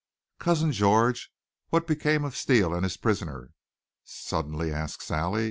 "Cousin George, what became of Steele and his prisoner?" suddenly asked Sally.